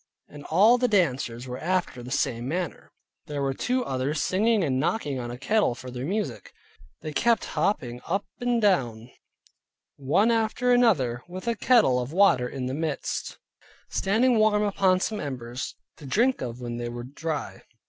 And all the dancers were after the same manner. There were two others singing and knocking on a kettle for their music. They kept hopping up and down one after another, with a kettle of water in the midst, standing warm upon some embers, to drink of when they were dry.